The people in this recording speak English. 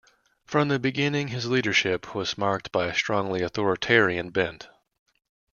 From the beginning his leadership was marked by a strongly authoritarian bent.